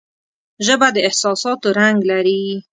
ژبه د احساساتو رنگ لري